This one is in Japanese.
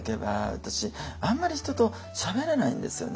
私あんまり人としゃべれないんですよね。